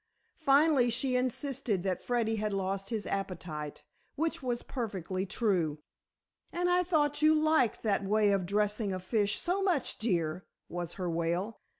Finally she insisted that Freddy had lost his appetite, which was perfectly true. "And I thought you liked that way of dressing a fish so much, dear," was her wail.